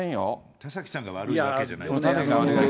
田崎さんが悪いわけじゃない。